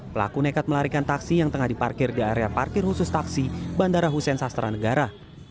pelaku nekat melarikan taksi yang tengah diparkir di area parkir khusus taksi bandara hussein sastra negara